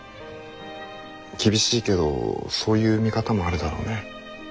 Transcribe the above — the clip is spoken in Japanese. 厳しいけどそういう見方もあるだろうね。